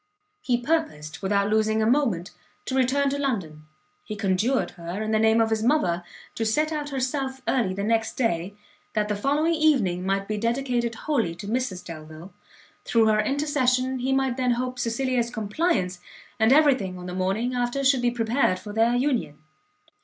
He purposed, without losing a moment, to return to London; he conjured her, in the name of his mother, to set out herself early the next day, that the following evening might be dedicated wholly to Mrs Delvile: through her intercession he might then hope Cecilia's compliance, and every thing on the morning after should be prepared for their union.